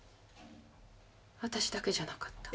わたしだけじゃなかった。